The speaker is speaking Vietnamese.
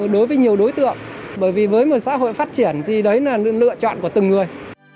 đối với nhiều đối tượng bởi vì với một xã hội phát triển thì đấy là lựa chọn của từng người